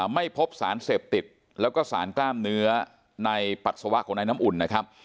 ไม่พบสารเสพติดแล้วก็สารกล้ามเนื้อในปัสสาวะของนายน้ำอุ่นนะครับ